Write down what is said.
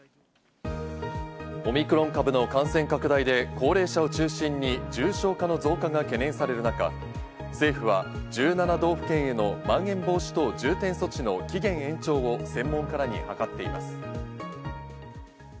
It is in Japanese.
オミクロン株の感染拡大で高齢者を中心に重症化の増加が懸念される中、政府は１７道府県へのまん延防止等重点措置の期限延長を専門家らに諮っています。